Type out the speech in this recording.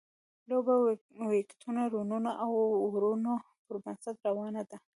لوبه د ویکټونو، رنونو او اورونو پر بنسټ روانه ده.